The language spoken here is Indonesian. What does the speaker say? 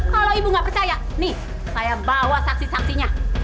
kalau ibu nggak percaya nih saya bawa saksi saksinya